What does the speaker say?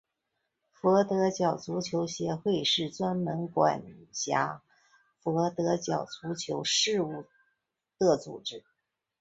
佛得角足球协会是专门管辖佛得角足球事务的组织。